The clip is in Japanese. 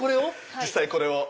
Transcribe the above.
実際これを。